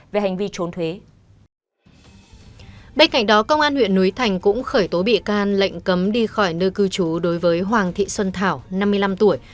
bên cạnh đó công an huyện núi thành cũng khởi tố bị can lệnh cấm đi khỏi nơi cư chú đối với hoàng thị xuân thảo năm mươi năm tuổi